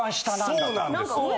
そうなんですよ。